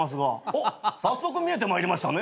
おっ早速見えてまいりましたね。